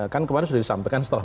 kan kemarin sudah disampaikan setelah